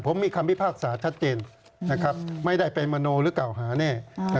ผมมีคำพิพากษาชัดเจนนะครับไม่ได้เป็นมโนหรือกล่าวหาแน่